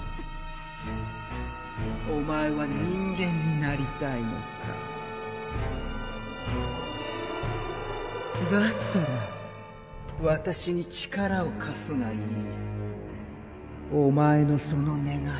お前は人間になりたいのかだったらわたしに力をかすがいいお前のそのねがい